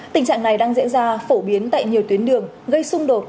tình trạng này đang diễn ra phổ biến tại nhiều tuyến đường gây xung đột